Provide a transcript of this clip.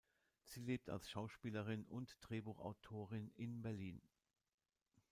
Sie lebt als Schauspielerin und Drehbuchautorin in Berlin.